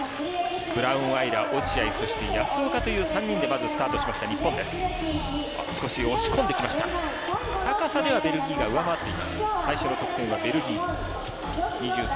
ブラウンアイラ落合そして、保岡という３人でまずスタートしました、日本です。